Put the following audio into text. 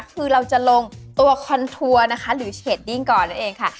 คือเราจะลงตัวคอนทัวร์นะคะหรือเชดดิ้งก่อนนั่นเองค่ะ